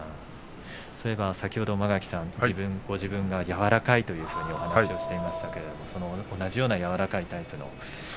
先ほど間垣さんご自分が柔らかいというお話をしていましたけれども同じような柔らかいタイプの。